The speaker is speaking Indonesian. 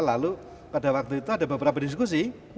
lalu pada waktu itu ada beberapa diskusi